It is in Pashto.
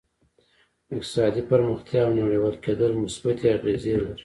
اقتصادي پرمختیا او نړیوال کېدل مثبتې اغېزې لري